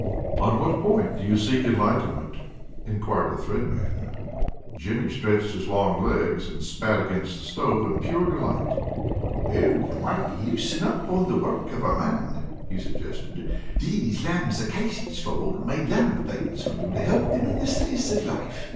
"On what point do you seek enlightenment?" inquired the Thread Man. Jimmy stretched his long legs, and spat against the stove in pure delight. "Oh, you might loosen up on the work of a man," he suggested. "These lambs of Casey's fold may larn things from you to help thim in the striss of life.